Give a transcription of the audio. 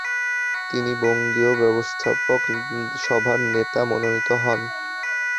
তিনি বঙ্গীয় ব্যবস্থাপক সভার নেতা মনোনীত হন।